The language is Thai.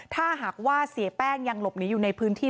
ถ้าหากว่าเสียแป้งยังหลบหนีอยู่ในพื้นที่